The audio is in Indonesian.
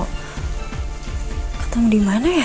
oh i homepage memakai mereka sekarang ya pak